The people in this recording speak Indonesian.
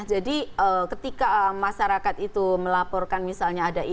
jadi ketika masyarakat itu melaporkan misalnya ada ini